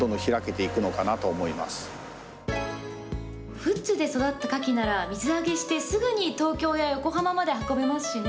富津で育ったかきなら水揚げしてすぐに東京や横浜まで運べますしね。